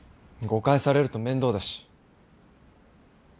誤解されると面倒だし。